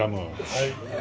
はい。